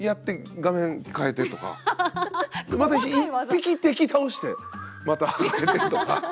また１匹敵倒してまた変えてとか。